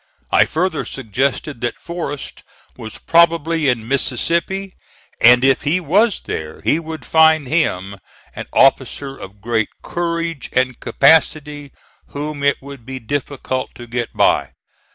I further suggested that Forrest was probably in Mississippi, and if he was there, he would find him an officer of great courage and capacity whom it would be difficult to get by.